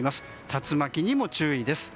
竜巻にも注意です。